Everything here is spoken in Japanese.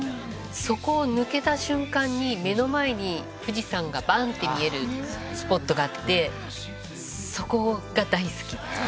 そこを抜けた瞬間に目の前に富士山がバンって見えるスポットがあってそこが大好きです。